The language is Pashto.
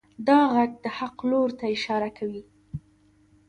دا غږ د حق لور ته اشاره کوي.